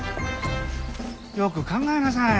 よく考えなさい。